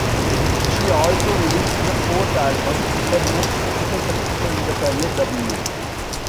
She also released the fourth album, her most critical successful in the career, "W".